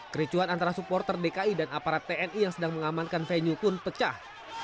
kericuhan antara supporter dki dan aparat tni yang sedang mengamankan venue pun pecah